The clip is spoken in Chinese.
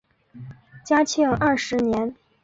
嘉庆二十年。